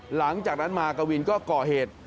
หลังจากนั้นมากวินก็ก่อเหตุ